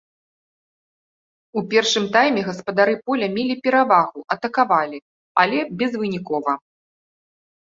У першым тайме гаспадары поля мелі перавагу, атакавалі, але безвынікова.